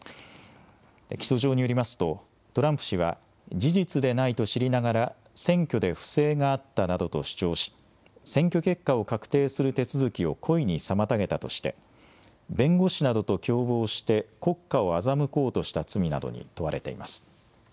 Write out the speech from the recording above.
起訴状によりますと、トランプ氏は事実でないと知りながら選挙で不正があったなどと主張し、選挙結果を確定する手続きを故意に妨げたとして、弁護士などと共謀して、国家を欺こうとした罪などに問われています。